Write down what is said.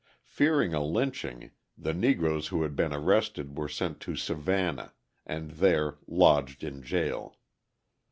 Fearing a lynching, the Negroes who had been arrested were sent to Savannah and there lodged in jail.